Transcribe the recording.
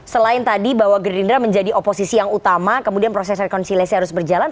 selain tadi bahwa gerindra menjadi oposisi yang utama kemudian proses rekonsiliasi harus berjalan